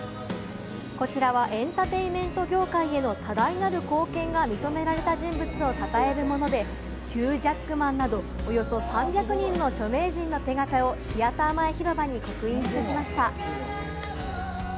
こちらはエンターテインメント業界への多大なる貢献が認められた人物をたたえるもので、ヒュー・ジャックマンなど、およそ３００人の著名人の手形をシアター前広場に刻印してきました。